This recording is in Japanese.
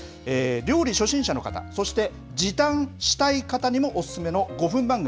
料理初心者の方、そして時短したい方にもお勧めの５分番組。